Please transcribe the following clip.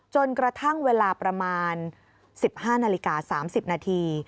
จนกระทั่งเวลาประมาณ๑๕นาฬิกา๓๐นาที